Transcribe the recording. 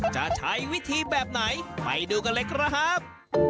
จะใช้วิธีแบบไหนไปดูกันเลยครับ